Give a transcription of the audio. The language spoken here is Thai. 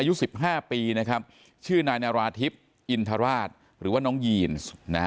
อายุสิบห้าปีนะครับชื่อนายนาราธิบอินทราชหรือว่าน้องยีนซ์นะฮะ